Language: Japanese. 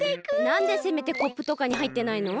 なんでせめてコップとかにはいってないの？